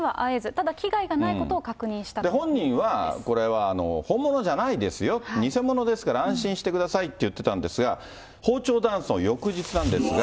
ただ、危害はないことを確認した本人はこれは本物じゃないですよ、偽物ですから安心してくださいって言ってたんですけれども、包丁ダンスの翌日なんですが。